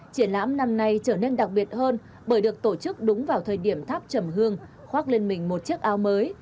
triển lãm năm nay trở nên đặc biệt hơn bởi được tổ chức đúng vào thời điểm tháp chầm hương khoác lên mình một chiếc áo mới